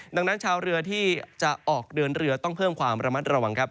ดังนั้นชาวเรือที่จะออกเดินเรือต้องเพิ่มความระมัดระวังครับ